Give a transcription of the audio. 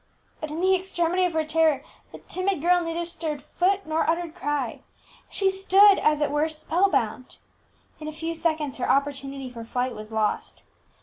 But in the extremity of her terror the timid girl neither stirred foot nor uttered cry. She stood, as it were, spell bound. In a few seconds her opportunity for flight was lost.